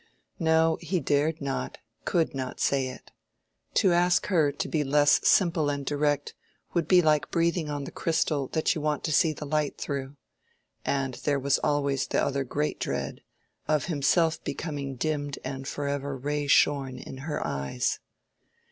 No, he dared not, could not say it. To ask her to be less simple and direct would be like breathing on the crystal that you want to see the light through. And there was always the other great dread—of himself becoming dimmed and forever ray shorn in her eyes.